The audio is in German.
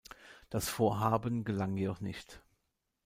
Das Vorhaben gelang jedoch nicht.